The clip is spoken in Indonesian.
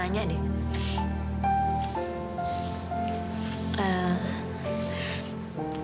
emang gimana sih temen temen